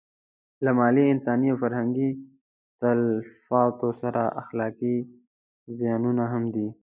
له مالي، انساني او فرهنګي تلفاتو سره اخلاقي زیانونه هم دي.